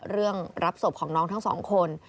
เรื่องรับศพของน้องทั้งสองคน